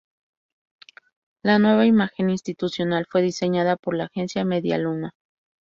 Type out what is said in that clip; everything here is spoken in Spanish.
La nueva imagen institucional fue diseñada por la agencia Medialuna.